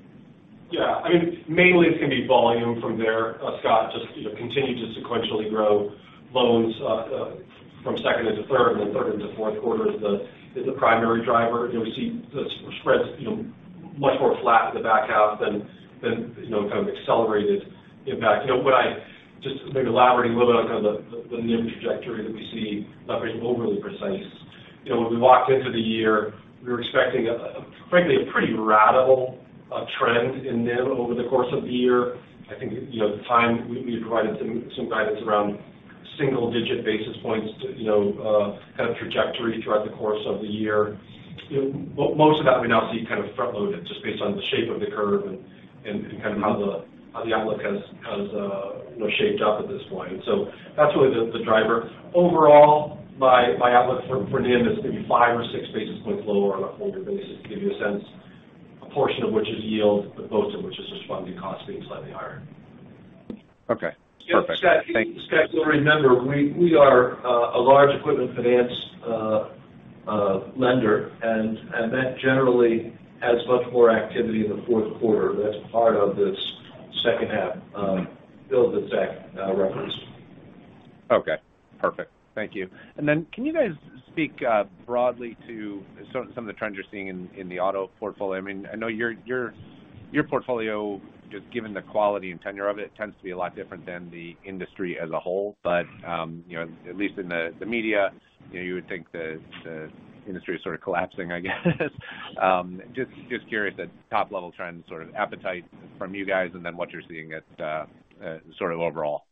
Yeah. I mean, mainly it's going to be volume from there. Scott, just, you know, continue to sequentially grow loans from second into third and then third into fourth quarter is the primary driver. You know, we see the spreads, you know, much more flat in the back half than, you know, kind of accelerated impact. You know what I mean, just maybe elaborating a little bit on kind of the NIM trajectory that we see, not very overly precise. You know, when we walked into the year, we were expecting a, frankly, a pretty radical trend in NIM over the course of the year. I think, you know, at the time we had provided some guidance around single digit basis points, you know, kind of trajectory throughout the course of the year. You know, most of that we now see kind of front-loaded just based on the shape of the curve and, and kind of how the, how the outlook has, you know, shaped up at this point. That's really the driver. Overall, my outlook for NIM is maybe five or six basis points lower on a go-forward basis, to give you a sense, a portion of which is yield, but most of which is just funding costs being slightly higher. Okay, perfect. Thank you. Scott, you'll remember we are a large equipment finance lender, and that generally has much more activity in the fourth quarter. That's part of this second half build that Zach referenced. Okay, perfect. Thank you. Can you guys speak broadly to some of the trends you're seeing in the auto portfolio? I mean, I know your portfolio, just given the quality and tenure of it, tends to be a lot different than the industry as a whole. You know, at least in the media, you know, you would think the industry is sort of collapsing, I guess. Just curious the top-level trends, sort of appetite from you guys and then what you're seeing at the sort of overall.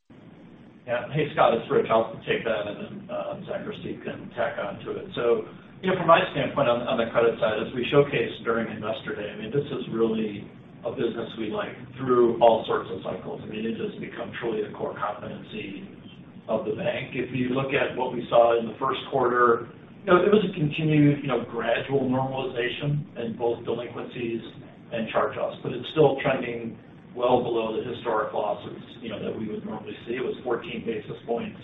Hey, Scott, it's Rich. I'll take that, and then Zach or Steve can tack on to it. You know, from my standpoint on the credit side, as we showcased during Investor Day, I mean, this is really a business we like through all sorts of cycles. I mean, it has become truly a core competency of the bank. If you look at what we saw in the first quarter, you know, it was a continued, you know, gradual normalization in both delinquencies and charge-offs. It's still trending well below the historic losses, you know, that we would normally see. It was 14 basis points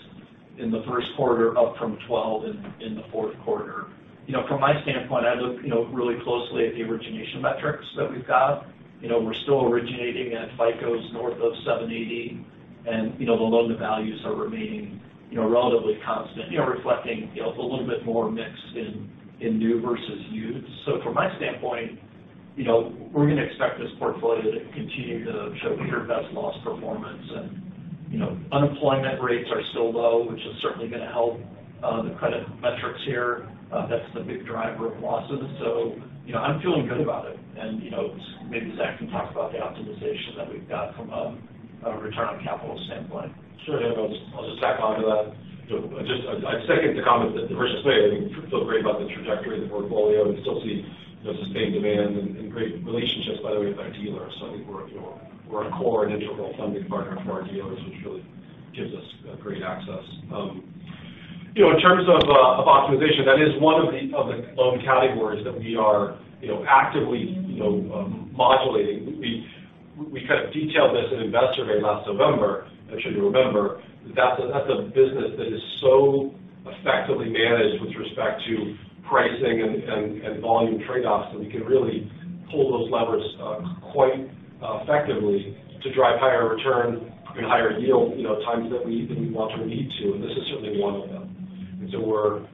in the first quarter, up from 12 in the fourth quarter. You know, from my standpoint, I look, you know, really closely at the origination metrics that we've got. You know, we're still originating at FICO north of 780. You know, the loan to values are remaining, you know, relatively constant. You know, reflecting, you know, a little bit more mix in new versus used. From my standpoint, you know, we're going to expect this portfolio to continue to show year-best loss performance. You know, unemployment rates are still low, which is certainly going to help the credit metrics here. That's the big driver of losses. You know, I'm feeling good about it. You know, maybe Zach can talk about the optimization that we've got from a return on capital standpoint. Sure. I'll just tack on to that. You know, I second the comment that Rich Pohle just made. I mean, feel great about the trajectory of the portfolio. We still see, you know, sustained demand and great relationships, by the way, with our dealers. I think we're, you know, we're a core and integral funding partner for our dealers, which really gives us great access. You know, in terms of optimization, that is one of the loan categories that we are, you know, actively, you know, modulating. We kind of detailed this in Investor Day last November, I'm sure you remember, that's a, that's a business that is so effectively managed with respect to pricing and volume trade-offs that we can really pull those levers quite effectively to drive higher return and higher yield, you know, times that we want or need to, and this is certainly one of them. We're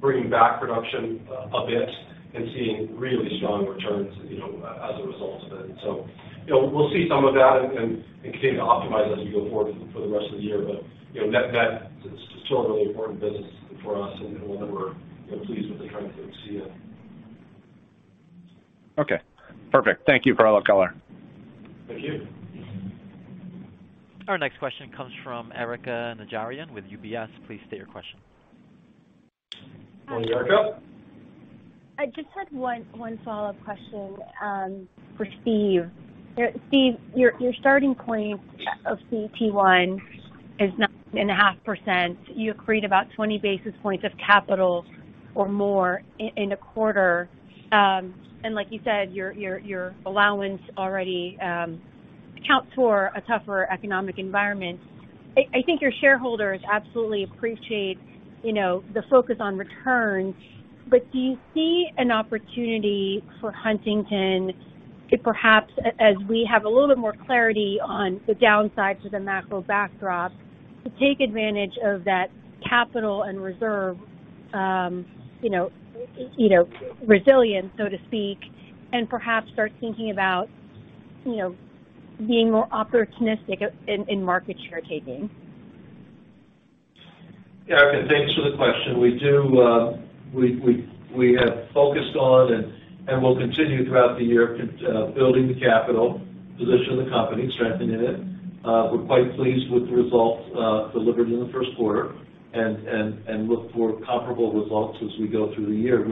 bringing back production a bit and seeing really strong returns, you know, as a result of it. You know, we'll see some of that and continue to optimize as we go forward for the rest of the year. You know, net-net, it's still a really important business for us, and one that we're, you know, pleased with the trends that we see in. Okay, perfect. Thank you for all that color. Thank you. Our next question comes from Erika Najarian with UBS. Please state your question. Hi, Erika. Erika. I just had one follow-up question for Steve. Steve, your starting point of CET1 is 9.5%. You accrete about 20 basis points of capital or more in a quarter. Like you said, your allowance already accounts for a tougher economic environment. I think your shareholders absolutely appreciate, you know, the focus on returns. Do you see an opportunity for Huntington to perhaps, as we have a little bit more clarity on the downsides of the macro backdrop, to take advantage of that capital and reserve, you know, resilience, so to speak, and perhaps start thinking about, you know, being more opportunistic in market share taking? Erika, thanks for the question. We do, we have focused on and will continue throughout the year building the capital position of the company, strengthening it. We're quite pleased with the results delivered in the first quarter and look for comparable results as we go through the year.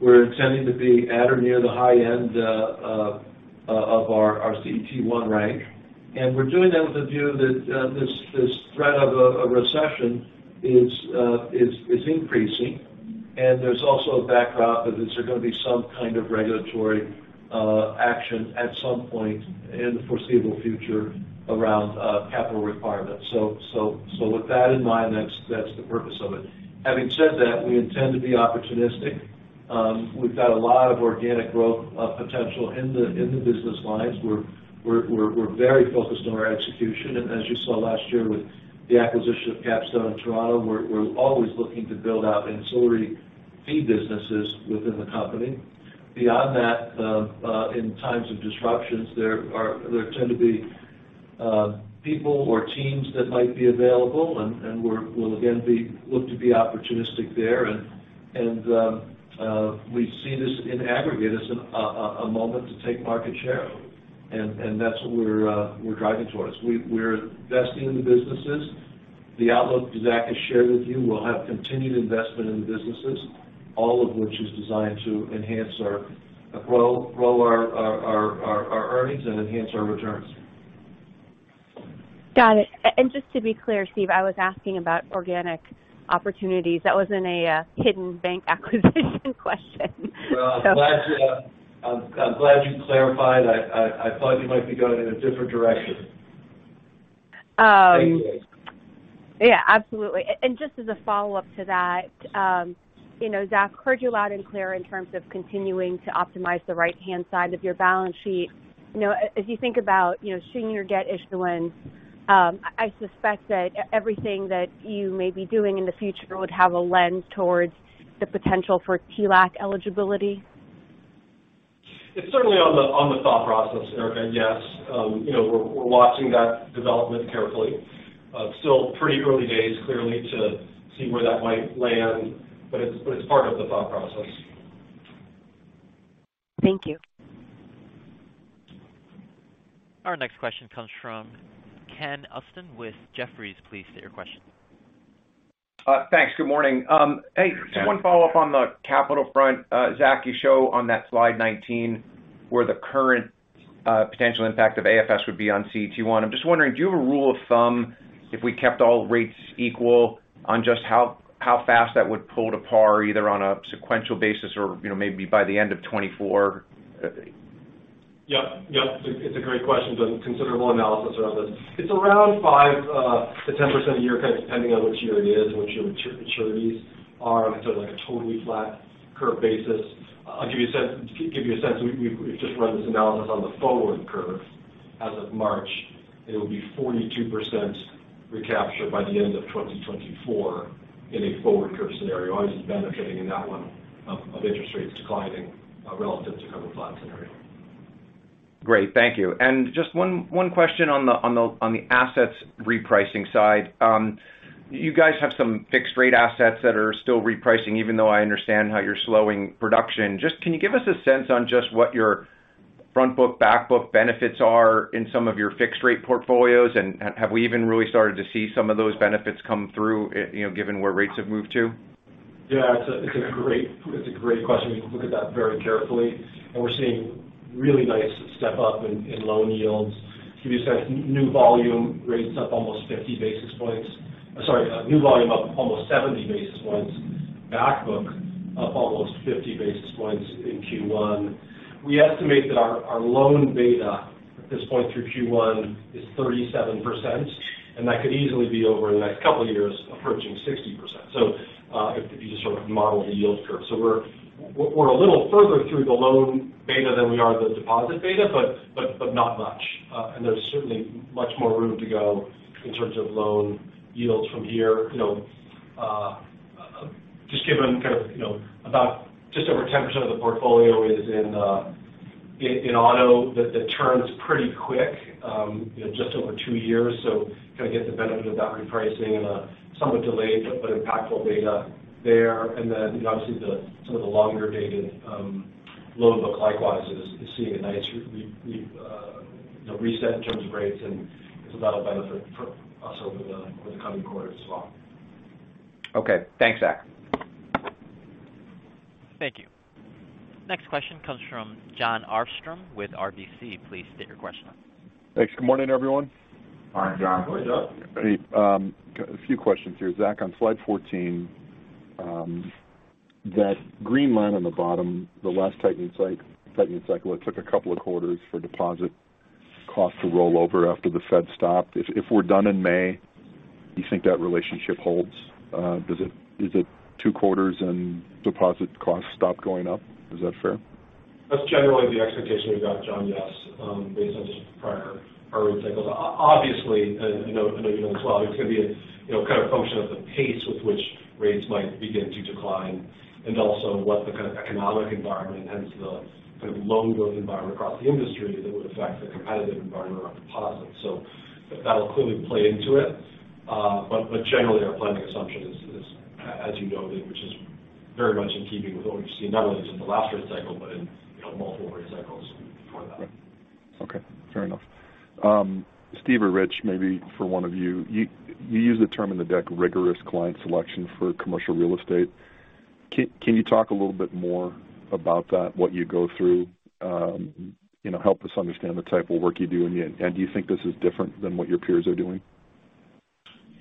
We're intending to be at or near the high end of our CET1 rank. We're doing that with a view that this threat of a recession is increasing. There's also a backdrop that there's going to be some kind of regulatory action at some point in the foreseeable future around capital requirements. With that in mind, that's the purpose of it. Having said that, we intend to be opportunistic. We've got a lot of organic growth potential in the business lines. We're very focused on our execution. As you saw last year with the acquisition of Capstone Partners, we're always looking to build out ancillary fee businesses within the company. Beyond that, in times of disruptions, there tend to be people or teams that might be available, we'll again look to be opportunistic there. We see this in aggregate as a moment to take market share. That's what we're driving towards. We're investing in the businesses. The outlook that Zach has shared with you, we'll have continued investment in the businesses, all of which is designed to enhance our grow our earnings and enhance our returns. Got it. Just to be clear, Steve, I was asking about organic opportunities. That wasn't a hidden bank acquisition question. Well, I'm glad. I'm glad you clarified. I thought you might be going in a different direction. Thank you. Yeah, absolutely. Just as a follow-up to that, you know, Zach, heard you loud and clear in terms of continuing to optimize the right-hand side of your balance sheet. You know, as you think about, you know, shooting your debt issuance, I suspect that everything that you may be doing in the future would have a lens towards the potential for TLAC eligibility. It's certainly on the, on the thought process, Erika, yes. You know, we're watching that development carefully. It's still pretty early days, clearly, to see where that might land, but it's, but it's part of the thought process. Thank you. Our next question comes from Ken Usdin with Jefferies. Please state your question. Thanks. Good morning. Yeah. One follow-up on the capital front. Zach, you show on that slide 19 where the current potential impact of AFS would be on CET1. I'm just wondering, do you have a rule of thumb if we kept all rates equal on just how fast that would pull to par, either on a sequential basis or, you know, maybe by the end of 2024? Yep. It's a great question. Done considerable analysis around this. It's around 5%-10% a year, kind of depending on which year it is and what your maturities are on a sort of, like, a totally flat curve basis. I'll give you a sense. We've just run this analysis on the forward curve as of March. It'll be 42% recapture by the end of 2024 in a forward curve scenario. Obviously, it's benefiting in that one of interest rates declining relative to kind of a flat scenario. Great. Thank you. Just one question on the assets repricing side. You guys have some fixed rate assets that are still repricing, even though I understand how you're slowing production. Just can you give us a sense on just what your front book, back book benefits are in some of your fixed rate portfolios? Have we even really started to see some of those benefits come through, you know, given where rates have moved to? It's a great question. We can look at that very carefully, and we're seeing really nice step up in loan yields. To give you a sense, new volume rates up almost 50 basis points. Sorry, new volume up almost 70 basis points. Back book up almost 50 basis points in Q1. We estimate that our loan beta at this point through Q1 is 37%, and that could easily be over in the next couple of years approaching 60%. If you just sort of model the yield curve. We're a little further through the loan beta than we are the deposit beta, but not much. There's certainly much more room to go in terms of loan yields from here. You know, just given kind of, you know, about just over 10% of the portfolio is in auto, that turns pretty quick, you know, just over two years. Kind of get the benefit of that repricing and a somewhat delayed but impactful beta there. You know, obviously the sort of the longer dated loan book likewise is seeing a nice reset in terms of rates, and it's a lot of benefit for us over the coming quarters as well. Okay. Thanks, Zach. Thank you. Next question comes from Jon Arfstrom with RBC. Please state your question. Thanks. Good morning, everyone. Morning, John. Hey, a few questions here. Zach, on slide 14, that green line on the bottom, the last tightening cycle, it took a couple of quarters for deposit cost to roll over after the Fed stopped. If we're done in May, do you think that relationship holds? Is it two quarters and deposit costs stop going up? Is that fair? That's generally the expectation we've got, John, yes, based on just prior borrowing cycles. Obviously, and you know, I know you know this well, it's going to be a, you know, kind of function of the pace with which rates might begin to decline and also what the kind of economic environment and hence the kind of loan growth environment across the industry that would affect the competitive environment around deposits. That'll clearly play into it. But generally our planning assumption is as you noted, which is very much in keeping with what we've seen, not only just in the last rate cycle, but in, you know, multiple rate cycles before that. Okay. Fair enough. Steve or Rich, maybe for one of you. You use the term in the deck, rigorous client selection for commercial real estate. Can you talk a little bit more about that, what you go through? you know, help us understand the type of work you do and do you think this is different than what your peers are doing?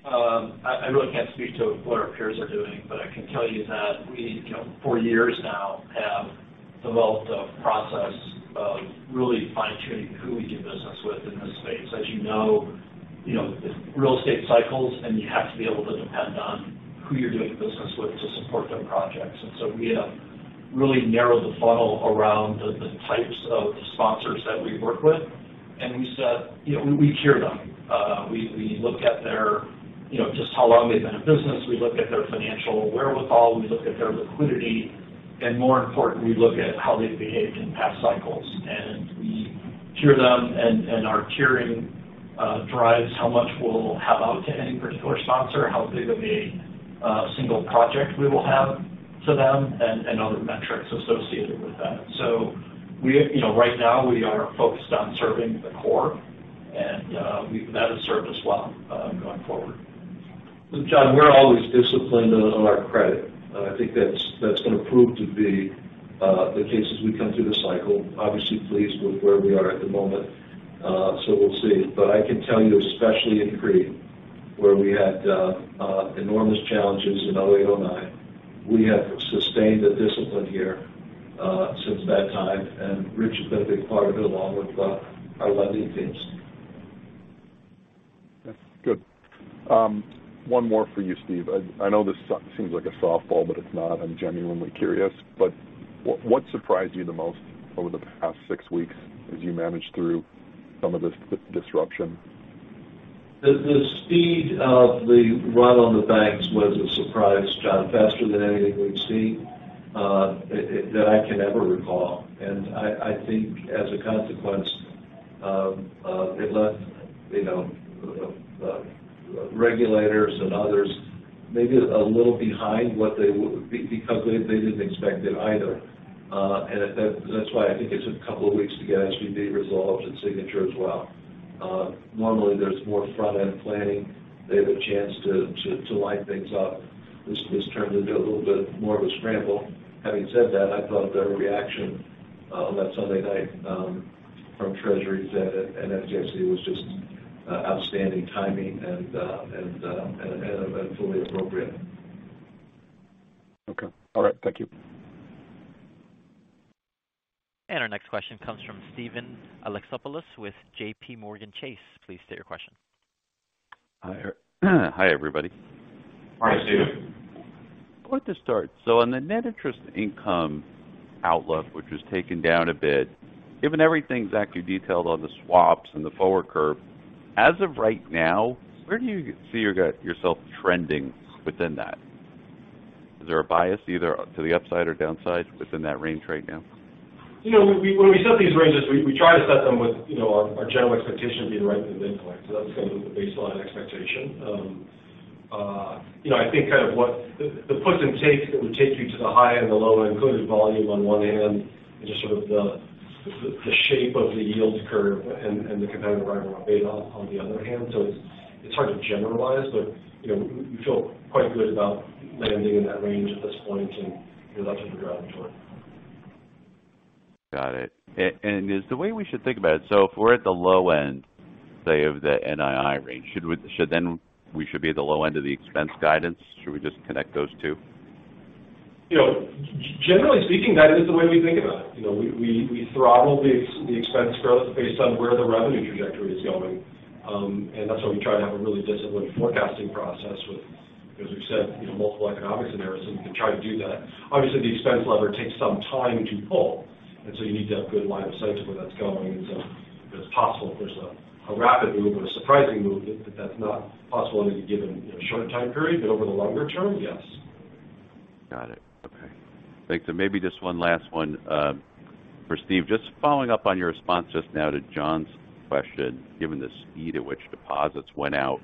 I really can't speak to what our peers are doing, but I can tell you that we, you know, for years now have developed a process of really fine-tuning who we do business with in this space. As you know, you know, real estate cycles, and you have to be able to depend on who you're doing business with to support their projects. We have really narrowed the funnel around the types of sponsors that we work with. You know, we tier them. We look at their, you know, just how long they've been in business. We look at their financial wherewithal. We look at their liquidity. More importantly, we look at how they've behaved in past cycles. We tier them, and our tiering, drives how much we'll have out to any particular sponsor, how big of a single project we will have to them, and other metrics associated with that. We, you know, right now we are focused on serving the core and that has served us well, going forward. John, we're always disciplined on our credit. I think that's going to prove to be the case as we come through this cycle. Obviously pleased with where we are at the moment. We'll see. I can tell you, especially in credit. Where we had enormous challenges in 2008, 2009. We have sustained the discipline here since that time, and Rich has been a big part of it, along with our lending teams. Yeah. Good. One more for you, Steve. I know this seems like a softball, it's not. I'm genuinely curious. What surprised you the most over the past six weeks as you managed through some of this disruption? The speed of the run on the banks was a surprise, John. Faster than anything we've seen, that I can ever recall. I think, as a consequence, it left, you know, the regulators and others maybe a little behind because they didn't expect it either. That's why I think it took a couple of weeks to get SVB resolved, and Signature as well. Normally there's more front-end planning. They have a chance to line things up. This turned into a little bit more of a scramble. Having said that, I thought the reaction on that Sunday night from Treasury, Fed, and FDIC was just outstanding timing and fully appropriate. Okay. All right. Thank you. Our next question comes from Steven Alexopoulos with JPMorgan Chase. Please state your question. Hi, everybody. Hi, Steve. Point to start. On the net interest income outlook, which was taken down a bit, given everything Zachary detailed on the swaps and the forward curve, as of right now, where do you see yourself trending within that? Is there a bias either to the upside or downside within that range right now? You know, when we set these ranges, we try to set them with, you know, our general expectation being right in the midpoint. That's kind of the baseline expectation. You know, I think kind of what the puts and takes that would take you to the high and the low end could be volume on one hand, and just sort of the shape of the yield curve and the competitive environment on the other hand. It's hard to generalize, but, you know, we feel quite good about landing in that range at this point, and, you know, that's what we're driving toward. Got it. Is the way we should think about it, if we're at the low end, say, of the NII range, should then we should be at the low end of the expense guidance? Should we just connect those two? You know, generally speaking, that is the way we think about it. You know, we throttle the expense growth based on where the revenue trajectory is going. That's why we try to have a really disciplined forecasting process with, as we've said, you know, multiple economics scenarios. We can try to do that. Obviously, the expense lever takes some time to pull. You need to have good line of sight to where that's going. It's possible if there's a rapid move or a surprising move that that's not possible in any given, you know, short time period. Over the longer term, yes. Got it. Okay. Thanks. Maybe just one last one for Steve. Just following up on your response just now to Jon's question, given the speed at which deposits went out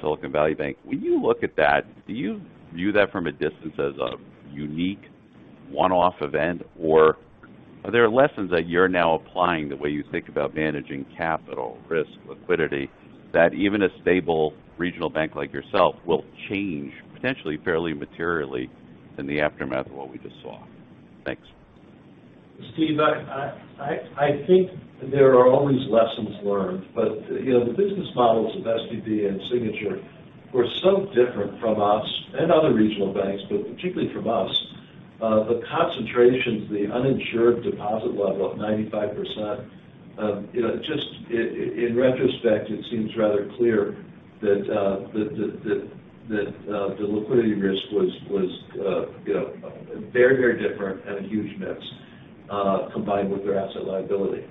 Silicon Valley Bank, when you look at that, do you view that from a distance as a unique one-off event? Or are there lessons that you're now applying the way you think about managing capital, risk, liquidity, that even a stable regional bank like yourself will change potentially fairly materially in the aftermath of what we just saw? Thanks. Steve, I think there are always lessons learned, you know, the business models of SVB and Signature were so different from us and other regional banks, particularly from us. The concentrations, the uninsured deposit level of 95%, you know, just in retrospect, it seems rather clear that the liquidity risk was very different and a huge miss, combined with their asset liability.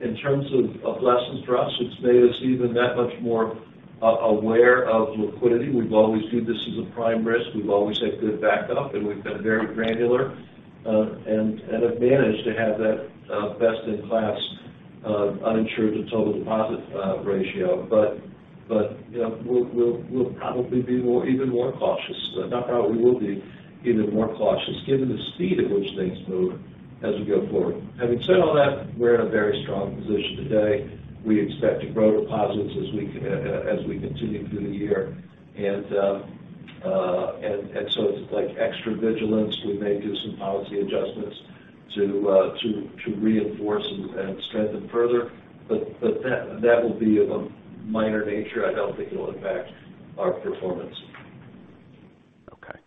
In terms of lessons for us, it's made us even that much more aware of liquidity. We've always viewed this as a prime risk. We've always had good backup, and we've been very granular and have managed to have that best in class uninsured to total deposit ratio. you know, we'll probably be more, even more cautious. Not probably, we will be even more cautious given the speed at which things move as we go forward. Having said all that, we're in a very strong position today. We expect to grow deposits as we continue through the year. It's like extra vigilance. We may do some policy adjustments to reinforce and strengthen further, but that will be of a minor nature. I don't think it'll impact our performance. Okay.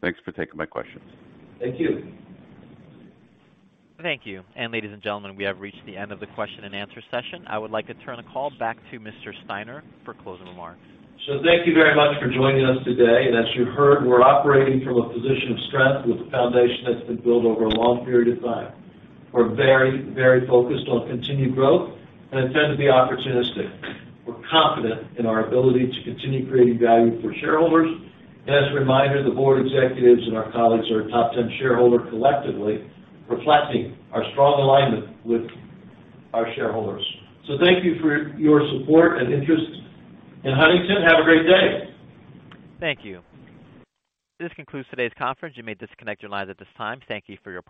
Thanks for taking my questions. Thank you. Thank you. Ladies and gentlemen, we have reached the end of the question and answer session. I would like to turn the call back to Mr. Steinour for closing remarks. Thank you very much for joining us today. As you heard, we're operating from a position of strength with a foundation that's been built over a long period of time. We're very, very focused on continued growth and intend to be opportunistic. We're confident in our ability to continue creating value for shareholders. As a reminder, the board executives and our colleagues are a top 10 shareholder collectively, reflecting our strong alignment with our shareholders. Thank you for your support and interest in Huntington. Have a great day. Thank you. This concludes today's conference. You may disconnect your lines at this time. Thank you for your participation.